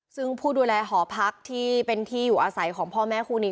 ซึ่งผู้ดูแลหอพักที่เป็นที่อยู่อาศัยของพ่อแม่คู่นี้